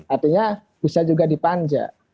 artinya bisa juga di panja